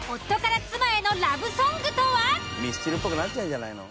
ミスチルっぽくなっちゃうんじゃないの？